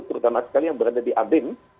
terutama sekali yang berada di adem